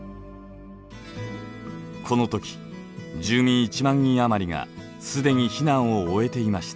このとき住民１万人余りが既に避難を終えていました。